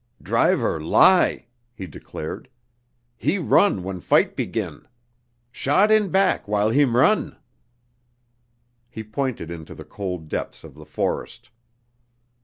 "Driver lie!" he declared. "He run when fight begin. Shot in back while heem run!" He pointed into the cold depths of the forest.